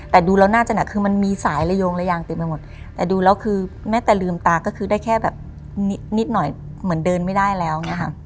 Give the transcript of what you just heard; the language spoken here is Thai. แต่ดูแล้วน่าจะมันมีสายละยงละยางไม่แต่ลืมตาก็คือได้แค่นิดหน่อยเหมือนเดินไม่ได้แล้ว